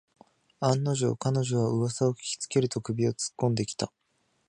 案の定、彼女はうわさを聞きつけると首をつっこんできた